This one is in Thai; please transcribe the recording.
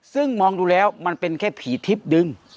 ซึ่งมองดูแล้วมันเป็นแค่ผีทิพย์ดึง